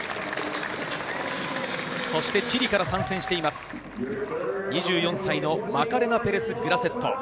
そしてチリから参戦しています、２４歳のマカレナ・ペレス・グラセット。